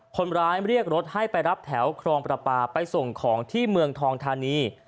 คนร้ายเรียกรถให้ไปรับแถวครองประปาไปส่งของที่เมืองทองธานี